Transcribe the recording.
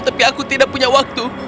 tapi aku tidak punya waktu